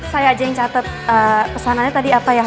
saya aja yang catet pesanannya tadi apa ya